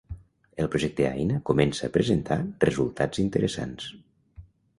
El projecte Aina comença a presentar resultats interessants.